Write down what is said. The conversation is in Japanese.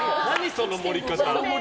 その盛り方。